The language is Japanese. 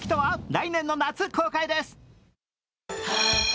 来年の夏、公開です。